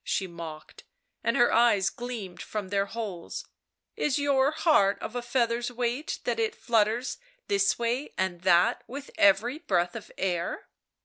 she mocked, and her eyes gleamed from their holes; "is your heart of a feather's weight that it flutters this way and that with every breath of air